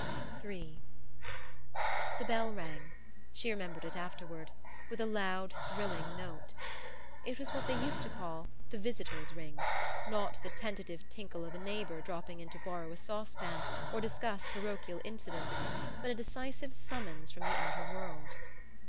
III The bell rang she remembered it afterward with a loud thrilling note. It was what they used to call the "visitor's ring"; not the tentative tinkle of a neighbor dropping in to borrow a sauce pan or discuss parochial incidents, but a decisive summons from the outer world.